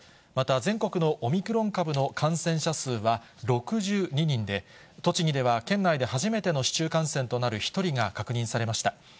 また全国のオミクロン株の感染者数は６２人で、栃木では県内で初めての市中感染となる１人が確認されました。